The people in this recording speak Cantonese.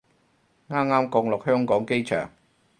啱啱降落香港機場